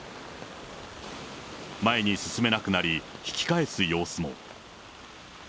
前に進めなくなり、引き返す様子も。